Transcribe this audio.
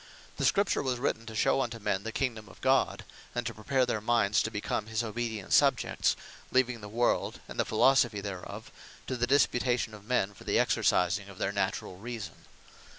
The Scripture was written to shew unto men the kingdome of God; and to prepare their mindes to become his obedient subjects; leaving the world, and the Philosophy thereof, to the disputation of men, for the exercising of their naturall Reason.